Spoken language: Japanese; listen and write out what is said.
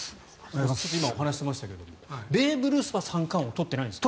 今、お話してましたがベーブ・ルースは三冠王を取ってないんですね。